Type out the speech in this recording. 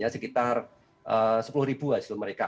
sekitar sepuluh hasil mereka